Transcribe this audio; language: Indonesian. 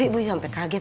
ibu sampai kaget